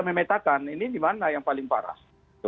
memetakan ini dimana yang paling parah